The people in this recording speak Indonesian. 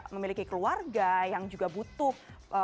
memiliki keluarga yang juga butuh